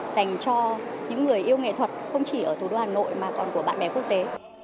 dành cho những người yêu nghệ thuật không chỉ ở thủ đô hà nội mà còn của bạn bè quốc tế